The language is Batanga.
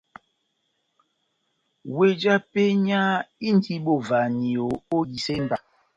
Weh já penya indi bovahaniyo ó disemba.